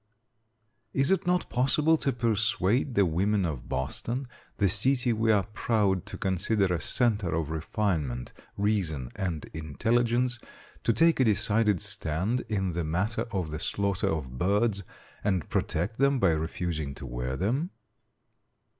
Is it not possible to persuade the women of Boston the city we are proud to consider a centre of refinement, reason and intelligence to take a decided stand in the matter of the slaughter of birds, and protect them by refusing to wear them?